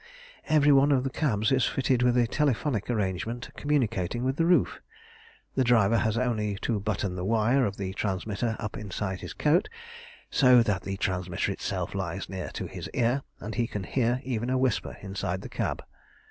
"Every one of the cabs is fitted with a telephonic arrangement communicating with the roof. The driver has only to button the wire of the transmitter up inside his coat so that the transmitter itself lies near to his ear, and he can hear even a whisper inside the cab.